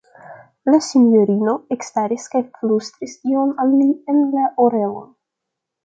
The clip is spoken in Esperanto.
La sinjorino ekstaris kaj flustris ion al li en la orelon.